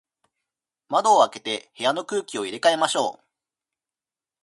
窓を開けて、部屋の空気を入れ替えましょう。